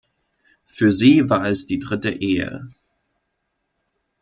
Für sie war es die dritte Ehe.